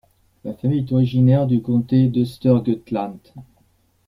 La famille est originaire du Comté d'Östergötland.